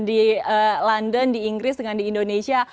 di london di inggris dengan di indonesia